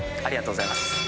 ありがとうございます。